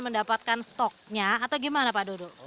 mereka sudah menghentikan stoknya atau gimana pak dodo